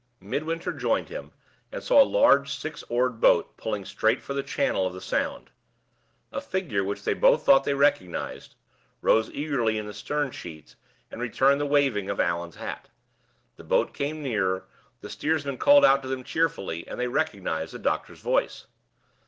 Midwinter joined him, and saw a large six oared boat pulling straight for the channel of the Sound. A figure, which they both thought they recognized, rose eagerly in the stern sheets and returned the waving of Allan's hat. The boat came nearer, the steersman called to them cheerfully, and they recognized the doctor's voice.